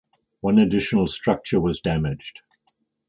One additional structure was damaged.